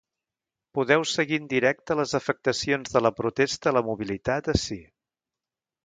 Podeu seguir en directe les afectacions de la protesta a la mobilitat ací.